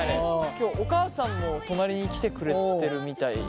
今日お母さんも隣に来てくれてるみたい。